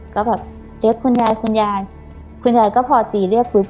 ก็แบบเจ๊คุณยายคุณยายคุณยายก็พอจีเรียกปุ๊บ